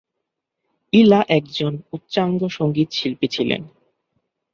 ইলা একজন উচ্চাঙ্গ সঙ্গীতশিল্পী ছিলেন।